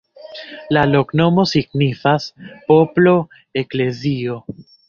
La loknomo signifas poplo-eklezio.